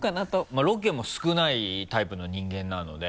まぁロケも少ないタイプの人間なので。